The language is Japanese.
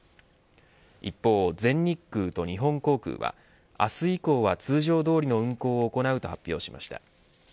一方、全日空と日本航空は明日以降は通常どおりの運航を行うと発表しました。